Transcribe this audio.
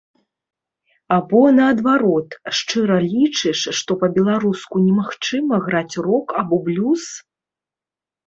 Або, наадварот, шчыра лічыш, што па-беларуску немагчыма граць рок або блюз?